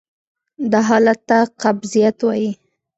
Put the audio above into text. دا حالت ته قبضیت وایې.